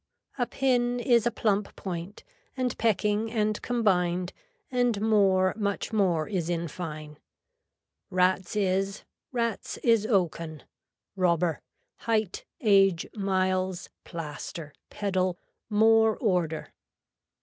A pin is a plump point and pecking and combined and more much more is in fine. Rats is, rats is oaken. Robber. Height, age, miles, plaster, pedal, more order.